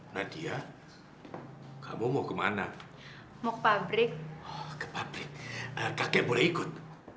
nadia kamu mau kemana mau pabrik ke pabrik kakek boleh ikut